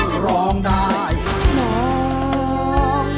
คือร้องได้ให้ร้อง